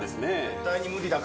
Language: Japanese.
絶対に無理だ。